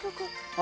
あ！